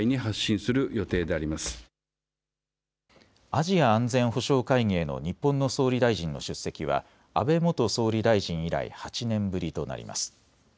アジア安全保障会議への日本の総理大臣の出席は安倍元総理大臣以来、８年ぶりとなります。